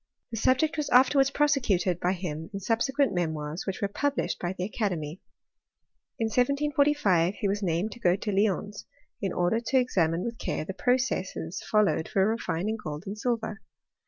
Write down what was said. The subject was afterwards prosecuted by him in subsequent memoirs which were published 1^ the academy. In 1745 he was named to go to Lyons in order to examine with care the processes followed for refining gold and silver.